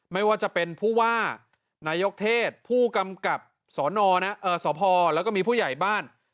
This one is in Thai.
ไม่ว่าจะเป็นผู้ว่านายกเทศผู้กำกับสนสพแล้วก็มีผู้ใหญ่บ้าน